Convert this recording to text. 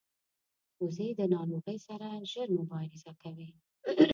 وزې د ناروغۍ سره ژر مبارزه کوي